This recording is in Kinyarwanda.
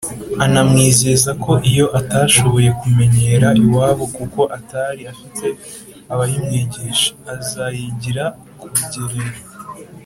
Anamwizeza ko iyo atashoboye kumenyera iwabo kuko atari afite abayimwigisha, azayigira ku rugerero.